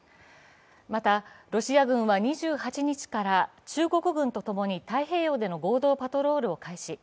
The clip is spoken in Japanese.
またロシア軍は２８日から、中国軍とともに太平洋での合同パトロールを開始。